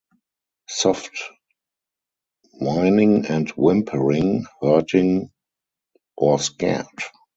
Soft whining and whimpering - hurting or scared.